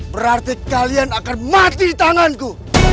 berarti kalian akan mati di tanganku